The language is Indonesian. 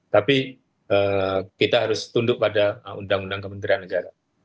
tapi kita harus tunduk pada undang undang kementerian negara